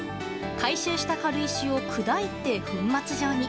回収した軽石を砕いて粉末状に。